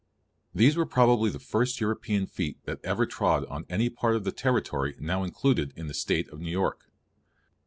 These were probably the first European feet that ever trod on any part of the territory now included in the State of New York.